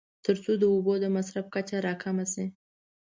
تر څو د اوبو د مصرف کچه راکمه شي.